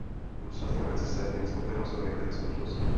Důsledkem recese je nespokojenost a neklid ve společnosti.